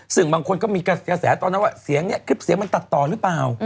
ซึ่งบางคนก็มีกระแสตอนนั้นว่าเสียงนี้คลิปเสียงมันตัดต่อหรือเปล่า